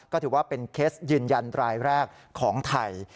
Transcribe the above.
ก็ถือว่าเป็นเคสยืนยันรายแรกของไทย